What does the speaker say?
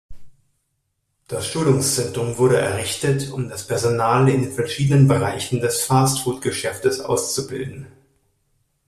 Das Schulungszentrum wurde errichtet, um das Personal in den verschiedenen Bereichen des Fast-Food-Geschäfts auszubilden.